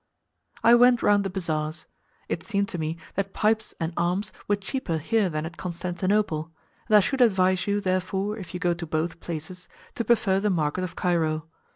I went round the bazaars: it seemed to me that pipes and arms were cheaper here than at Constantinople, and I should advise you therefore if you go to both places to prefer the market of Cairo.